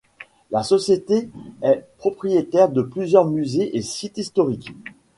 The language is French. La société est propriétaire de plusieurs musées et sites historiques.